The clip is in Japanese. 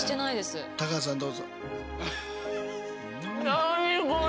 何これ。